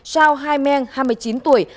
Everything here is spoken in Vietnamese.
shao hai meng hai mươi chín tuổi